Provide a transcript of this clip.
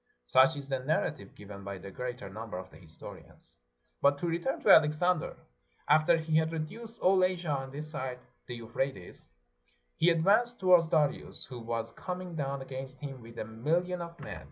Such is the narrative given by the greater number of the historians. But to return to Alexander. After he had reduced all Asia on this side the Euphrates, he advanced towards Darius, who was coming down against him with a mil lion of men.